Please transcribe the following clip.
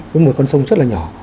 với một con sông rất là nhỏ